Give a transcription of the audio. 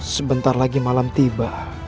sebentar lagi malam tiba